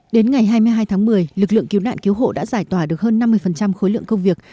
đến ngày hai mươi hai tháng một mươi lực lượng cứu nạn cứu hộ đã giải tỏa được hơn năm mươi khối lượng công việc